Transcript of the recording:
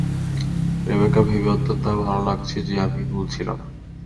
Rebecca, ভেবে অত্যন্ত ভালো লাগছে যে আমি ভুল ছিলাম!